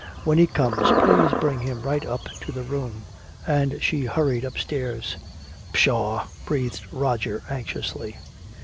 "When he comes, please bring him right up to the room." And she hurried upstairs. "Pshaw!" breathed Roger anxiously.